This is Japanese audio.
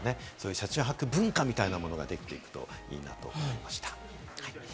車中泊文化みたいなものができていくといいなと思いました。